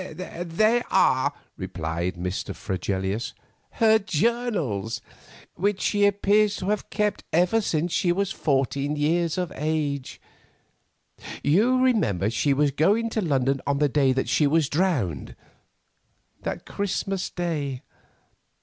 "They are," replied Mr. Fregelius, "her journals, which she appears to have kept ever since she was fourteen years of age. You remember she was going to London on the day that she was drowned—that Christmas Day?